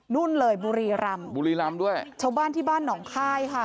นู่นเลยบุรีรำบุรีรำด้วยชาวบ้านที่บ้านหนองค่ายค่ะ